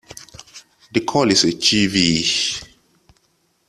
The call is a "chee-veee".